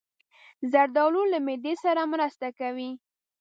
زردالو له معدې سره مرسته کوي.